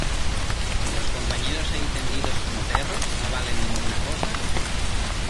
¿ los compañeros ahí tendidos como perros, no valen ninguna cosa?